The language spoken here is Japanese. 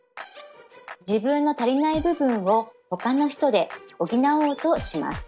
自分の足りない部分をほかの人で補おうとします。